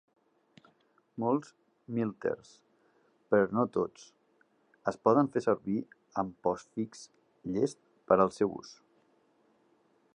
Molts "milters", però no tots, es poden fer servir amb Postfix "llest per al seu ús".